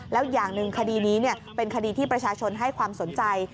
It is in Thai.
แล้วอย่างหนึ่งคดีนี้เป็นคดีที่ประชาชนให้ความสนใจ